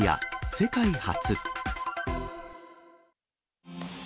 世界初。